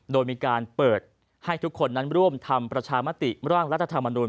โดยมีการเปิดให้ทุกคนนั้นร่วมทำประชามติร่างรัฐธรรมนุน